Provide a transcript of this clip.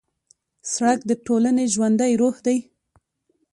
سړک د ټولنې ژوندی روح دی.